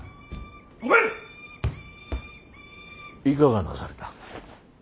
いかがなされた。